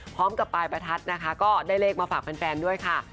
พร้อมกับปลายประทัดนะคะก็ได้เลขมาฝากแฟนด้วยค่ะ